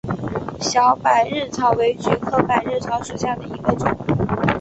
小百日草为菊科百日草属下的一个种。